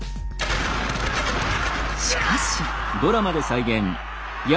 しかし。